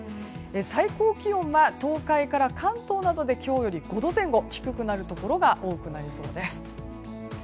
最高気温は東海から関東などで今日より５度前後低くなるところが多くなりそうです。